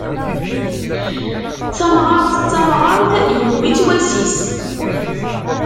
Tamɣart d tamɣart, yewwi-tt wass-is.